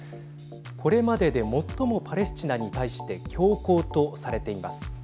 これまでで最もパレスチナに対して強硬とされています。